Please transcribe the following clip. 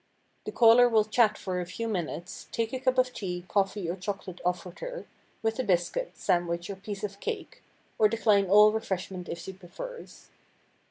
The caller will chat for a few minutes, take a cup of tea, coffee or chocolate offered her, with a biscuit, sandwich or piece of cake, or decline all refreshment if she prefers.